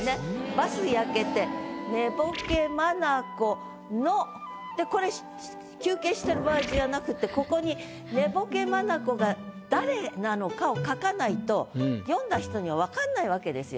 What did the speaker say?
「バス灼けて寝ぼけ眼の」でこれ休憩してる場合じゃなくってここになのかを書かないと読んだ人には分かんないわけですよ。